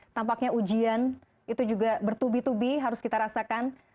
tampaknya ujian itu juga bertubi tubi harus kita rasakan